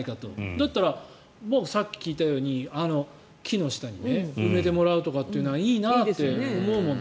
だったら、さっき聞いたように木の下に埋めてもらうとかっていうのはいいなって思うもの。